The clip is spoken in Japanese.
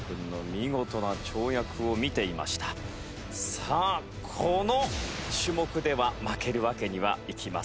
さあこの種目では負けるわけにはいきません。